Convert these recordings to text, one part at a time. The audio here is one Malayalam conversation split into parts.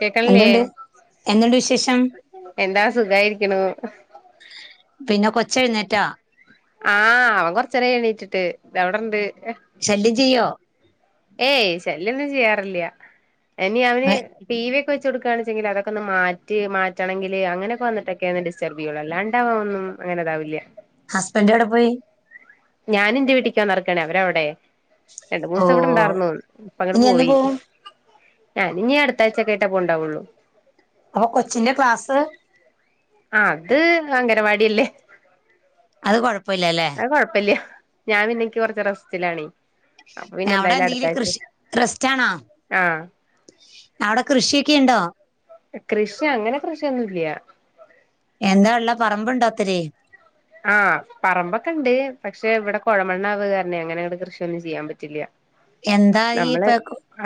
കേക്കണില്ലേ എന്തുണ്ട് എന്തുണ്ട് വിശേഷം എന്താ സുഖായിരിക്കണു പിന്നെ കൊച്ച എഴുന്നേറ്റാ ആഹ് അവൻ കൊറച്ച നേര എണീറ്റിട്ട് ഇത് എവിടെണ്ട് ശല്യം ചെയ്യോ ഏയ് ശല്യൊന്നും ചെയ്യാറില്ല എനി അവന് ടി വി വെച്ച് കൊടുക്കുകണെങ്കിൽ അതൊക്കെന്ന് മാറ്റി മാറ്റണമെങ്ക അങ്ങനെക്കെ വന്നിട്ടൊക്കെ ഒ ഡിസ്റ്റർബ് ചെയ്യുള്ളൂ അല്ലാണ്ടക ഒന്നും അങ്ങനെതാവില്ല ഹസ്ബൻഡ് എവിടെ പോയി ഞാനൻ എന്റെ വീട്ടക്ക് വന്നറക്കണേ അവരവിടെ രണ്ടു ഓ ദൂസം ഇവിടെ ഇണ്ടായിർന്ന അപ്പ അങ്ങട്ട് ഇനി എന്ന് പോയി പോവും ഞാനിനീ അടുത്താഴ്ച കേട്ടാ പോ ഉണ്ടാവുള്ളൂ അപ്പൊ കൊച്ചിന്റെ ക്ലാസ് ആഹ് അത് അംഗനവാടിയല്ലേ അത് കുഴപ്പയില്ലല്ലേ അത് കുഴപ്പല്യ ഞാൻ പിന്നക്ക് കുറച്ച് റസറ്റിലാണേ അവിടെ എന്തെങ്കിലും കൃഷി റസ്റ്റ് ആണോ ആഹ് അവിടെ കൃഷിയൊക്കെ ഉണ്ടോ കൃഷി അങ്ങനെ കൃഷിയൊന്നുല്യാ- എന്താ ഉള്ള പറമ്പുണ്ടോത്തിരി ആഹ് പറമ്പൊക്കെ ഉണ്ട് പക്ഷെ ഇവിടെ കൊഴമണ്ണാവുക കാരണെ അങ്ങനെ അങ്ങ്ട് കൃഷിയൊന്നും ചെയ്യാൻ പറ്റില്ല എന്താ ഈ നമ്മള് ഇപ്പൊ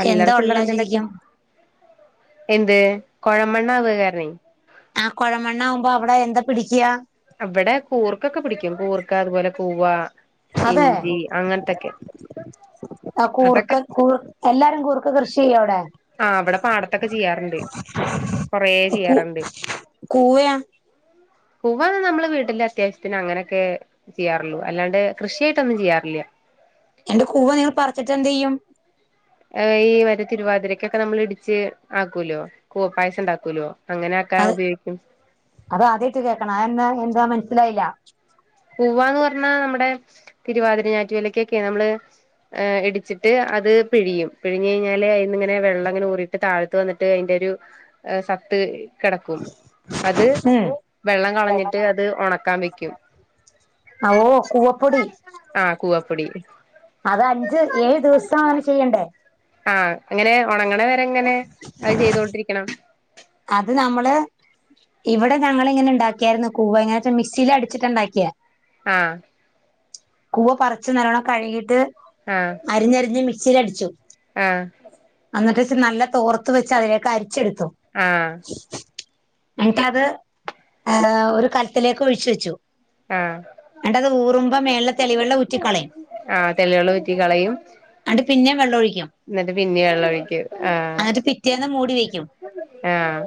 അല്ലറ എന്താ ഉള്ള ചില്ലറ എന്തെലുക്കെ ശരിക്കും എന്ത് കൊഴമണ്ണാവ്ക കാരണേ ആഹ് കൊഴമണ്ണാകുമ്പോ അവിടെ എന്താ പിടിക്കുക അവിടെ കൂർക്കൊക്കെ പിടിക്കും കൂർക്ക അതുപോലെ കൂവ ഇഞ്ചി അങ്ങനത്തൊക്കെ ആഹ് അതൊക്കെ കൂർക്ക കൂർഎല്ലാരും കൂർക്ക കൃഷി ചെയ്യോ അവിടെ ആഹ് ഇവിടെ പാടത്തൊക്കെ ചെയ്യാറുണ്ട് കൊറേ ഈ കൂ ചെയ്യാറുണ്ട് കൂവയാ കൂവ നമ്മള് വീട്ടിന്റെ അത്യാവശ്യത്തിന് അങ്ങനെയൊക്കെ ചെയ്യാറുള്ളൂ അല്ലാണ്ട് കൃഷിയായിട്ടൊന്നും ചെയ്യാറില്ല എന്നിട്ട് കൂവ നിങ്ങൾ പറിച്ചിട്ട് എന്ത് ചെയ്യും ആഹ് ഈ വരെ തിരുവാതിരക്കൊക്കെ നമ്മൾ ഇടിച്ച് ആക്കൂലോ കൂവപായസം ഉണ്ടാക്കൂലോ അങ്ങനെൊക്കാൻ അത് ഉപയോഗിക്കും. അത് ആദ്യമായിട്ട് കേൾക്കണം ആഹ് എന്താ മനസ്സിലായില്ല- പൂവ എന്ന് പറഞ്ഞാൽ നമ്മുടെ തിരുവാതിര ഞറ്റുവിലക്കൊക്കെയ നമ്മള് ഇടിച്ചിട്ട് അത് പിഴിയും പിഴിഞ് കഴിഞ്ഞാല് അതിന്ന ഇങ്ങനെ വെള്ളം അങ്ങനെ ഊറി താഴത്ത് വന്നിട്ട് അതിന്റെ ഒരു സത്ത് കിടക്കും അത് ഉം വെള്ളം കളഞ്ഞിട്ട് അത് ഉണക്കാൻ വെക്കും- ഓഹ് കുവപ്പൊടി- ആഹ് കൂവപ്പൊടി- അത് അഞ്ച്, ഏഴ് ദിവസമാണ് ചെയ്യണ്ടേ ആഹ് അങ്ങനെ ഉണങ്ങണ വരെ അങ്ങനെ അത് ചെയ്തോണ്ടിരിക്കണം. അത് നമ്മള് ഇവടെ ഞങ്ങളി ഇങ്ങനെ ഉണ്ടാക്ക്യാര്ന്നു കൂവ്വ ങ്ങനെ മിക്സീലടിച്ചിട്ടാ ഇണ്ടാക്ക്യേ- ആഹ് കൂവ പറിച്ച് നല്ലോണം കഴ്കീട്ട്- ആഹ്- അരിഞ്ഞരിഞ് മിക്സീൽ അടിച്ചു ആഹ് അന്നിട്ട് നല്ല തോർത്ത് വെച്ച് അതിലേക്ക് അരിച്ചെടുത്തു ആഹ് എന്നട്ടത് അഹ് ഒരു കലത്തിലേക്ക് ഒഴിച്ച് വെച്ചു. ആഹ് എന്നിട്ടത് ഊറുമ്പോ മേളിലെ തെളിവെള്ളം ഊറ്റിക്കളയും ആഹ് തെളി വെള്ളൂറ്റി കളയും. എന്നിട്ട് പിന്നേം വെള്ളം ഒഴിക്കും ന്ന്ട്ട് പിന്നേണല്ലോ ഒഴിക്ക് ആഹ് എന്നിട്ട് പിറ്റേന്ന് ആഹ്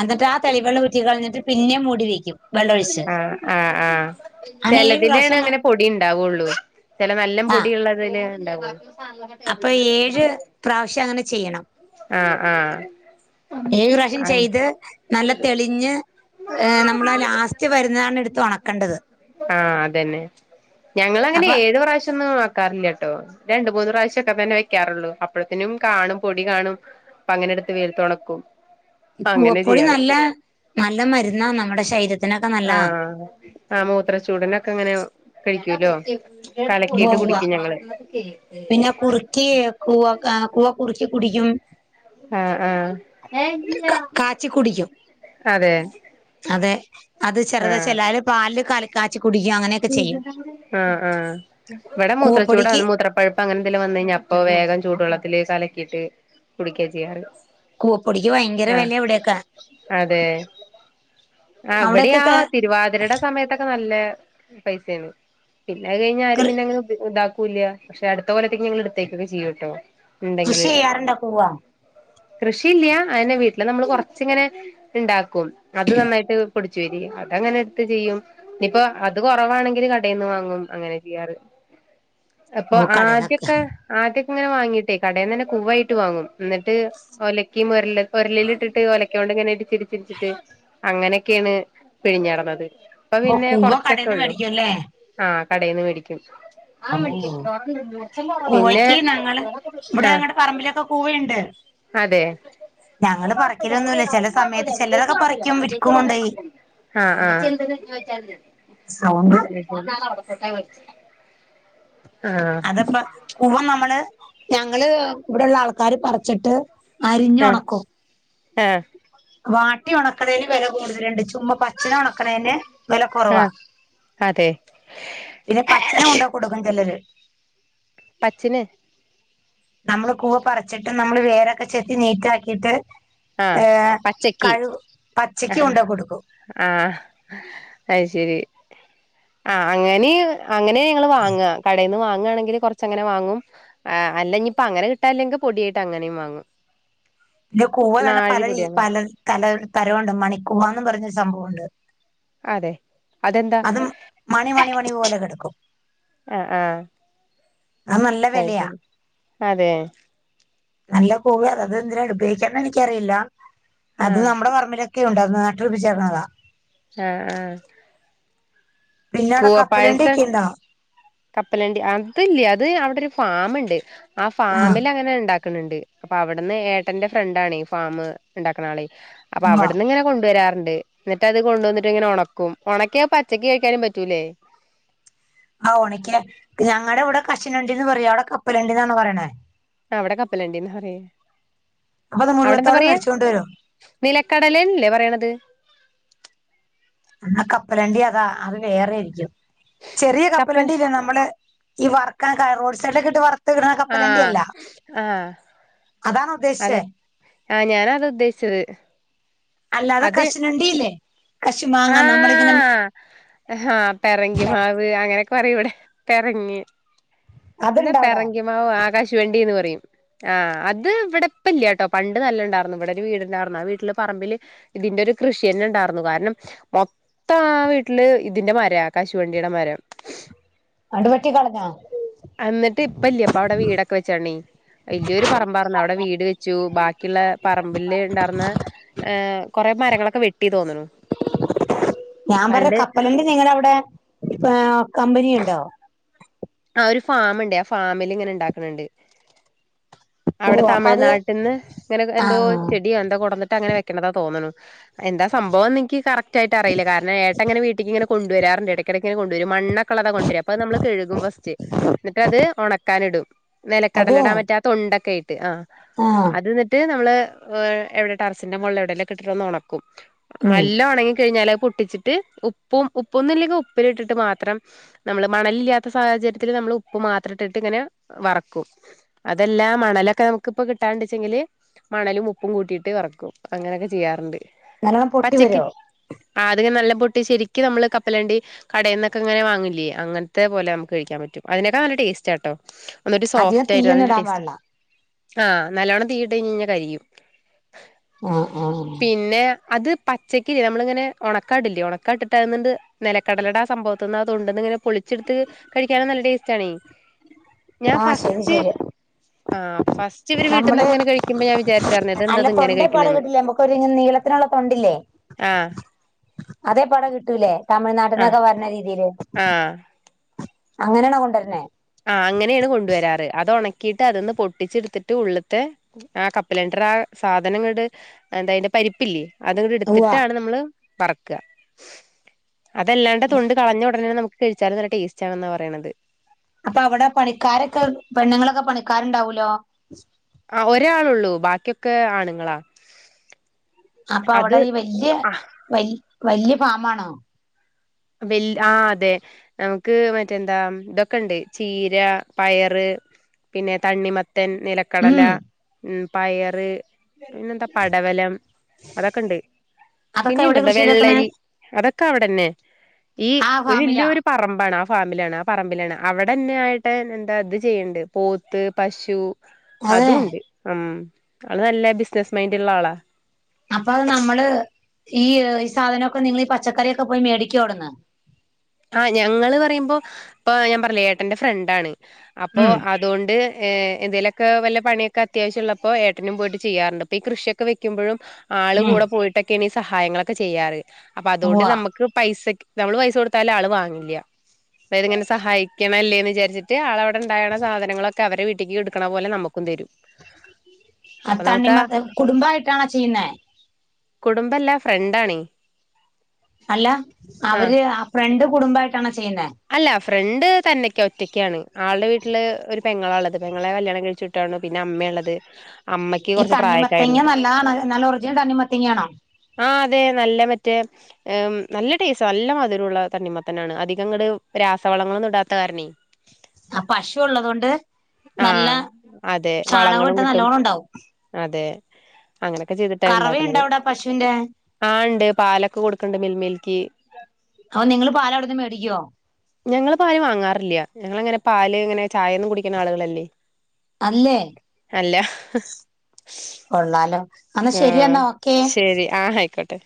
അന്നട്ട് ആ തെളിവെള്ളൂറ്റി കളഞ്ഞ്ട്ട് പിന്നെ മൂടി വെയ്ക്കും ആഹ് ആഹ് ആഹ് അങ്ങനെ ഏഴ് ചെലാതിലേണ് പ്രാവശ്യം അങ്ങനെ പൊടി ഉണ്ടാവൊള്ളൂ ചെലെ നല്ല ആ പൊടി ള്ളതില് ഉണ്ടാവൊള്ളൂ അപ്പൊ ഏഴ് പ്രാവശ്യം അങ്ങനെ ചെയ്യണം ആഹ് ആഹ് ഏഴ് പ്രാവശ്യം അൻ ചെയ്ത് നല്ല തെളിഞ്ഞ് നമ്മള ലാസ്റ്റ് വരുന്നതാണ് എടുത്ത് ഉണക്കേണ്ടത് ആഹ് അതന്നെ ഞങ്ങളങ്ങനെ അപ്പൊ കഴിഞ്ഞ പ്രാവശ്യം ന്നും മാക്കാറില്ല ട്ടോ രണ്ട് മൂന്ന് പ്രാവശ്യൊക്കെ തന്നെ വെക്കാറൊള്ളൂ അപ്പഴ ത്തിനും കാണും പൊടി കാണും അപ്പ അങ്ങനെ ട്ത്ത് വെയിലത്തൊ ണക്കും ഈ കുവപ്പൊടി നല്ല നല്ല മരുന്നാ നമ്മുടെ ശരീരത്തിനൊക്കെ നല്ലാ ആഹ് ആഹ് മൂത്രച്ചൂടിനൊക്കെ അങ്ങനെ കഴികോല്ലോ കലകീട്ട് ഉവ്വ കുടിക്കും ഞങ്ങള് പിന്നെ കുറുക്കി കൂവ കാണാ കൂവ കുറുക്കി കുടിക്കും ആഹ് ആഹ് കാച്ചി കുടിക്കും അതെയ് അതെ അത് ചെറുത് ചെലാര് പാലില് കലക്കാച്ചി കുടിക്ക അങ്ങനെ ആഹ് ആഹ് ഇവടെ മൂത്ര കൂവപ്പൊടിക്ക് ചൂടാണ് മൂത്രപ്പഴുപ് അപ്പ അങ്ങനെന്തെല്ലാം വന്ന് കഴിഞ്ഞാ അപ്പൊ വേഗം ചൂടുവ ള്ളത്തില് കലക്കിട്ട് കുടിക്കാ ചെയ്യാറ് കൂവപ്പൊടിക്ക് ഭയങ്കര ആഹ് വെലെ ഇവിടൊയൊക്കെ അതെ ആഹ് ഇവിടെയാ തിരുവാതിരടെ സമയത്തൊക്കെ നല്ല പൈസേണ് പിന്നെ കഴിഞ്ഞാ ആരും കൃ പിന്നെ അങ്ങെ ഇതാക്കൂല്ല പക്ഷെ അടുത്ത കൊല്ലത്തേക്ക് ഞങ്ങൾ ഇടുത്തേക്കൊക്കെ ചെയ്യൂട്ടോ കൃഷി ഇണ്ടെങ്കില് ചെയ്യാറുണ്ടോ കൂവ കൃഷിയില്യ അയന്നെ വീട്ടില് നമ്മള് കൊറച്ച്ങ്ങനെ ഇ ണ്ടാക്കും അത് നന്നായിട്ട് പൊടിച്ചു വരി അതങ്ങനെ ഇ ടുത്ത് ചെയ്യും ഇനിയിപ്പോ അത് കൊറവാണെങ്കില് കടയിൽന്ന് വാങ്ങും അങ്ങനെ ചെയ്യാറ് ഉഊ അപ്പൊ ആദ്യൊക്കെ ആദ്യൊക്കെ ഇങ്ങനെ വാങ്ങീടൈ കടയിന്നെന്നെ കുവ്വായിട്ട് വാങ്ങും ന്നട്ട് ഒലയ്കിം ഒര ഒരലിൽ ഇട്ടിട്ട് ഒലക്യോൻണ്ട്ങ്ങനെ ഇടിച്ചിടിച്ചിട്ട് അങ്ങനെക്കേണ് പിഴിഞ്ഞാടണത് അഹ് ഓ പിന്നെ കൂവ കടേന്ന് കൊറച്ചൊക്കെള്ളൂ മേടിക്കുംല്ലേ ആഹ് കടയിന്ന് മേടിക്യും പിന്നെ കൂവയ്ക്ക് ഞങ്ങള് ഇവിടെ ആഹ് ഞങ്ങടെ പറമ്പിലൊക്കെ കൂവയുണ്ട് അതെയ് ഞങ്ങള് പറിക്കലൊന്നുല്ല ചെല സമയത്ത് ചിലരൊക്കെ പറിക്കും വിൽക്കും കൊണ്ടോയി അഹ് സൗണ്ട് അഹ് അതാവടെന്നെവേച്ച്ക്കാ അതപ്പ കൂവ നമ്മള് ഞങ്ങള് ബെടള്ള ആൾക്കാാര് പർച്ചിട്ട് ഏഹ് ഏഹ് വാട്ടി ഓണക്കണേന് വെല കൂടുതല്ണ്ട്. ചുമക് പച്ചന ഒണക്കണേന് വെല കൊറവാ ആഹ് അതെ പിന്നെ പച്ചന കൊണ്ടോ കൊടുക്കും ചെലര് പച്ചിന് നമ്മള് കൂവ പറച്ചിട്ട് നമ്മള് വേരൊക്കെ ചെത്തി നീറ്റ ആക്കിയിട്ട് ആഹ് ഏ പച്ചക്ക് കഴ് പച്ചക്ക് കൊണ്ടാ കൊടുക്കും ആഹ് അത് ശരി ആഹ് അങ്ങനെ അങ്ങനേ ഞങ്ങള് വാങ്ങാ കടയിന്ന് വാങ്ങാണെങ്കില് കൊറ ച്ചങ്ങനെ വാങ്ങും ആഹ് അല്ലഞ്ഞിപ്പങ്ങനെ കിട്ടാല്ലെങ്കി പൊടിയാട്ട് അങ്ങനീം വാങ്ങും ഇല്ല കൂവ തന്നെ നാഴി പൊടി പലയീ അങ്ങനെ പല തല തരൊണ്ട് മണിക്കൂവാന്ന് പറഞ്ഞൊരു സംഭവൊണ്ട് അതെ അതെന്താ അതും മണി മണി മണി പോലെ കിടക്കും ആഹ് ആഹ് അത് നല്ല അത് വിലയാ ശരി അതേ നല്ല കൂവയ അത് അതെന്തിന ഉപയോഗിക്കാന്ന് എനിക്കറിയില്ല അത് ആഹ് നമ്മുടെ പറമ്പില ക്കെ ഉണ്ട് അത്‌ നട്ടുപിടിപ്പിച്ചേക്കണതാ ആഹ് ആഹ് പിന്നെ അവിടെ കപ്പലണ്ടി കൂവപ്പായസം ഒക്കെ ഉണ്ടോ കപ്പലണ്ടി അതില്ല അത് അവിടെ ഒരു ഫാമിണ്ട് ആ ആഹ് ഫാമിലങ്ങനെ ഇണ്ടാ ക്ക്ണെണ്ട് അപ്പ അവിടുന്ന് ഏട്ടന്റെ ഫ്രണ്ടാണെ ഫാമ് ഇണ്ടാക്കണ ആളെ അപ്പ ഉവ്വ അവിടുന്ന് ഇങ്ങനെ കൊണ്ടുവരാറുണ്ട് എന്നിട്ട് അത് കൊണ്ടുവന്നിട്ട് ഇങ്ങനെ ഒണക്കും ഒണക്കിയാ പച്ചക്ക് കഴിക്കാനും പ റ്റൂലേ ആഹ് ഒണക്ക് ഞങ്ങടിവിടെ കശൂനണ്ടീന്ന് പറയാ അവിടെ കപ്പലണ്ടീന്നാണൊ പറയണേ അവിടെ കപ്പലണ്ടീന്ന് പറയാ അപ്പൊ അത് അവിടെ എന്താ മുഴുവത്തോടെ പറയാ മേടിച്ചോണ്ട് വരും നിലക്കടലേന്നല്ലേ പറയണത് എന്നാ കപ്പലണ്ടി അതാ അത് വേറേരിക്കും ചെറിയ കപ്പൽ കപ്പലണ്ടി ഇല്ലേ നമ്മള് ഈ വറക്കാൻ കയ് റോഡ് സൈഡിലൊക്കെ ഇട്ട് വറ ത്ത്ക്കണ കപ്പലണ്ടി ആഹ് അല്ല ആഹ് അതാണാ ഉദ്ദേശിച്ചേ അതെ ആഹ് ഞാനത ഉദ്ദേശിച്ചത് അല്ലാതെ അത് കശുനണ്ടീല്ലേ കശുമാങ്ങാ നമ്മളിങ്ങനെ ആഹ് ആഹ് പെറങ്കിമാവ് അങ്ങനെയൊക്കെ പറയും ഇവിടെ പെറങ്ങി എന്താ അതുണ്ടോ അവിടെ പെറങ്കി മാവ് ആഹ് കശുവണ്ടീന്ന് പറയും ആഹ് അത് ഇവിടെ ഇപ്പില്ലാട്ടോ പണ്ട് നല്ല ഇണ്ടായിരുന്നു ഇവിടൊരു വീടിണ്ടാർന്നു ആ വീട്ടിലെ പറമ്പില് ഇതിന്റെ ഒരു കൃഷി തന്നെ ഇണ്ടായിരുന്നു കാരണം മൊത്തം ആ വീട്ടില് ഇതിന്റെ മരാ കശുവണ്ടീടെ മരം അന്നിട്ട് വെട്ടി കളഞ്ഞ അന്നിട്ട് ഇപ്പ ഇല്ല ഇപ്പ അവിടെ വീടൊക്കെ വെച്ചാണീ വല്യോരു പറമ്പാർന്നു അവിടെ വീട് വെച്ചു ബാക്കിയുള്ള പറമ്പില് ഇണ്ടായിർന്ന ഏഹ് കൊറെ മരങ്ങളൊക്കെ വെട്ടീ തോന്നണു ഞാൻ പറഞ്ഞ് പണ്ട് കപ്പലണ്ടി നിങ്ങടവിടെ ഇപ്പാ കമ്പനിയിണ്ടോ ആഹ് ഒരു ഫാമിണ്ടെ ആ ഫാമില് ഇങ്ങനെ ഇണ്ടാക്കണെണ്ട് ഓ അവിടെ അപ്പൊ അത് തമിഴ്നാട്ടിന്ന് ഇങ്ങനെ എന്തോ ആഹ് ചെടിയോ എന്തൊ കൊണ്ടന്നിട്ട് അങ്ങനെ വെക്കണതാ തോന്നണു എന്താ സംഭവം എന്നെൻക്ക് കറക്റ്റായിട്ട് അറിയില്ലെ കാരണം ഏട്ടങ്ങനെ വീട്ടി‌ക്കിങ്ങനെ കൊണ്ടുവരാറെണ്ട് എടക്കിട‌ക്കിങ്ങനെ കൊണ്ടുവരും മണ്ണ് ക്ക്ള്ളതാ കൊണ്ടര അത് നമ്മള് കഴുകും ഫസ്റ്റ് എന്നിട്ട് അത് ഒണക്കാനിടും അത് നിലക്കടലെടാ മറ്റാ തൊണ്ടക്കേയിട്ട് ആഹ് ആഹ് അത് എന്നിട്ട് നമ്മള് എഹ് എവിടെ ടറസിന്റെ മോൾല് എവിടേലൊക്കെ ഇട്ടിട്ട് ഒന്ന് ഒണക്കും ഉം നല്ലാ ഒണങ്ങി കഴിഞ്ഞാല് അത് പൊട്ടിച്ചി ട്ട് ഉപ്പും ഉപ്പൊന്നും ഇല്ലെങ്കി ഉപ്പിലിട്ടിട്ട് മാത്രം നമ്മള് മണലില്ലാത്ത സാഹചര്യ ത്തില് നമ്മള് ഉപ്പ് മാത്രട്ടിട്ട് ഇങ്ങനെ വറക്കും. അതെല്ലാ മണലൊക്കെ നമുക്കിപ്പ കിട്ടാണ്ടെച്ചെങ്കില്. മണലും ഉപ്പും കൂട്ടിയിട്ട് വറക്കും അങ്ങനൊക്കെ ചെയ്യാറിണ്ട് നല്ലോണം പൊട്ടി പച്ചക്ക് വരുവോ ആഹ് അത്ങ്ങനെ നല്ല പൊട്ടി ശെരിക്ക് നമ്മള് കപ്പലണ്ടി. കടേന്നൊക്കെ ഇങ്ങനെ വാങ്ങൂല്ലേ അങ്ങനത്തെ പോലെ നമുക്ക് കഴിക്കാൻ പറ്റും അതിനേക്കാ നല്ല ടേസ്റ്റാട്ടോ. ഒന്ന് ഒരു അധികം സോഫ്റ്റായിട്ട് തീയൊന്നും നല്ല ഇടാൻ ടേസ്റ്റാ പാടില്ല ആഹ് നല്ലവണ്ണം തീയിട്ട് കഴിഞ്ഞ് കഴിഞ്ഞ കരിയും. ആഹ് ആഹ് പിന്നെ അത് പച്ചക്കില്ലെ നമ്മളിങ്ങനെ ഉണക്കാട്ല്ലേ ഉണക്കാട്ടിട്ട് അതിന്ക്ക്ട്ട് നിലക്കടലുടെ ആ സംഭവ തിന്നാ തൊണ്ട്ന്ന് ഇങ്ങനെ പൊളിച്ചെടുത്ത് കഴിക്കാനും നല്ല ടെസ്റ്റാണേ ഞാൻ ആഹ് ശരി ഫസ്റ്റ് ശരി ആഹ് ഫസ്റ്റ് ഇവര് വീട്ടീന്ന് നമ്മള് അങ്ങനെ കഴിക്കുമ്പോ ഞാൻ വിചാരിച്ചറിഞ്ഞ ഇതെന്താ അല്ല ഇത് ഇങ്ങനെ തൊണ്ടേ പട കഴിക്കണന്ന് കിട്ടില്ലേ നമുക്കൊരു നീളത്തിനുള്ള തൊണ്ടില്ലേ ആഹ്. അതേ പോലെ കിട്ടൂലേ ആഹ് തമിഴ്നാട്ട്ന്നൊക്കെ വര്ണ രീതിയില്. ആഹ്. അങ്ങനെയണോ കൊണ്ടുവര്ന്നേ. ആഹ് അങ്ങനെയാണ് കൊണ്ട് വരാറ് അത് ഉണക്കിയിട്ട് അതന്ന് പൊട്ടിച്ചെടുത്തിട്ട് ഉള്ളത്തെ. ആഹ് കപ്പലണ്ടർ ആഹ് സാധനങ്ങട് എന്തഅയ്ന്റെ പരിപ്പില്ലേ. അത് ഇങ് ഉവ്വ എടുത്തിട്ടാണ് നമ്മള് പറ്ക്ക അതല്ലാണ്ട് തൊണ്ട് കളഞ്ഞ ഉടനെ നമുക്ക്. കഴിച്ചാലും നല്ല ടേസ്റ്റ് ആണെന്നാ പറയണത്. അപ്പൊ അവിടെ പണിക്കാരൊക്കെ പെണ്ണുങ്ങളൊക്കെ പണിക്കാരുണ്ടാവൂലോ? ആഹ് ഒരാൾ ഒള്ളൂ ബാക്കിയൊക്കെ ആണുങ്ങളാ. അപ്പൊ അത് അവിടെ ഈ വല്യ ആ വ വല്യ ഫാംആണോ? വല്യ ആഹ് അതെ. നമുക്ക് മറ്റെ എന്താ ഇതൊക്കെ ഇണ്ട് ചീര പയറ്. പിന്നെ തണ്ണിമത്തൻ നിലക്കടല ഉം ഉം പയറ്. പിന്നെന്താ പടവലം അതൊക്കെ ഇണ്ട് അതൊക്കെ എവിടെ പിന്നെണ്ട്ട്ടാ കൃഷി ചെയ്തേക്കണേ വെള്ളരി. അതൊക്കെ അവിടെന്നെ ഈ ആ ഒരു ഫാമിലാ വല്ല്യോരു പറമ്പാണ്. ഫാമിലാണ് ആ പറമ്പിലാണ് അവിടെന്നെ ആയിട്ട് എന്താ ഇത് ചെയ്യണ്ട് പോത്ത് പശു. അതെ അതും ഉണ്ട് ഉം അത് നല്ല ബിസിനസ് മൈൻഡ് ള്ള ആളാ. അപ്പൊ അഹ് നമ്മള് ഈ ഹ് സാധനൊക്കെ നിങ്ങള് പച്ചക്കറിയൊക്കെ പോയി മേടിക്കോടന്ന്. ആഹ് ഞങ്ങള് പറയുമ്പോ ഇപ്പൊ ഞാൻ പറില്ലെ ഏട്ടന്റെ ഫ്രണ്ടാണ് അപ്പോ ഉം അ തോണ്ട് ഏഹ് എന്തേലൊക്കെ വല്ല പണിയൊക്കെ അത്യാവ്യമുള്ളപ്പോ ഏട്ടനും പോയിട്ട് ചെയ്യാറണ്ട്ഇപ്പൊ ഈ കൃഷിയൊക്കെ വെക്കുമ്പോഴും. ആള് ഉം കൂടെ പോയിട്ടൊക്കെയാണ് ഈ സഹായങ്ങളൊക്കെ ചെയ്യാറ് അപ്പൊ അതുകൊണ്ട് ഉവ്വ നമുക്ക് പൈസക് നമ്മള് പൈസ കൊടു താല് ആൾ വാങ്ങില്ല അതായത് ഇങ്ങനെ സഹായിക്കണ്ല്ലേന്ന് വിചാരിച്ചിട്ട്. ട്ട് ആള് അവിടെണ്ടായാൽ സാധനങ്ങളൊക്കെ അവരെ വീട്ടേക്ക് എടുക്കുന്ന പോലെ നമുക്കും തരും. ആഹ് അപ്പൊ നമുക്ക് ആ തണ്ണിമത്ത കുടുംബയിട്ടാണോ ചെയ്യുന്ന കുടുംബല്ലാ ഫ്രണ്ടാണ്. അല്ല ആ അവര് ആഹ് ഫ്രണ്ട് കുടുംബയിട്ടാണോ ചെയ്യുന്ന അല്ല ഫ്രണ്ട് തന്നെയൊക്കെ ഒറ്റക്ക്യാണ് ആളുടെ വീട്ടില് ഒരു പെങ്ങളാ ഉള്ളത് പെങ്ങളെ കല്ല്യാണം കഴിച്ചു. ട്ടാണ് പിന്നെ അമ്മയെള്ളത്. ഈ തണ്ണിമത്തങ്ങ നല്ലതാണ് നല്ല ഒറിജിനൽ തണ്ണിമത്തങ്ങ ആണോ? ആഹ് അതെ നല്ല മറ്റേ എം നല്ല ടേസ്റ്റ് നല്ല മധുരുള്ള തണ്ണിമത്തനാണ് അധിക അങ്ങട് രാസവളങ്ങളൊന്നും ഇടാത്ത കാരണേ? ആഹ് പശു ഉള്ളത് കൊണ്ട് നല്ല ആഹ് അതെ ചാണകം വളങ്ങളും ഇട്ടാൽ കിട്ടും. നല്ലോണം ഉണ്ടാവും. അതെ. അങ്ങനെയൊക്കെ ചെയ്തിട്ടാണ് കറവയുണ്ടോ ഉണ്ടാക്കണത് അവിടെ പശുവിന്റെ ആഹ് ഉണ്ട് പാലൊക്കെ കൊടുക്ക്ണ്ട് മിൽമെയ്ക്ക്. ഔ നിങ്ങള് പാൽ അവിടുന്ന് മേടിക്കോ? ഞങ്ങള് പാല് വാങ്ങാറില്ല ഞങ്ങൾ അങ്ങനെ പാൽ ഇങ്ങനെ ചായന്ന് കുടിക്ക് ണ ആളുകളല്ലേ? അല്ലേ അല്ല ഹ് കൊള്ളാലോ അന്നാ ശരിയെന്നാ ഓക്കേ. ശരി ആഹ് ആയിക്കോട്ടെ